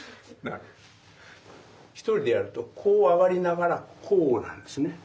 １人でやるとこう上がりながらこうなんですね。